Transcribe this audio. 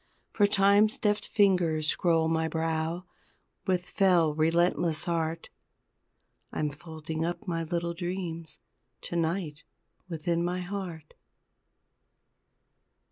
For Time's deft fingers scroll my brow With fell relentless art I'm folding up my little dreams To night, within my heart!